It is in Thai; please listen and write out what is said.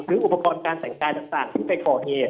อุปกรณ์การแต่งกายต่างที่ไปก่อเหตุ